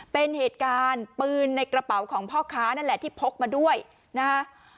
เป็นเหตุการณ์ปืนในกระเป๋าของพ่อค้านั่นแหละที่พกมาด้วยนะฮะ